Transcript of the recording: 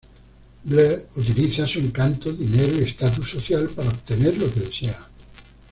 Blair utiliza su encanto, dinero, y status social para obtener lo que desea.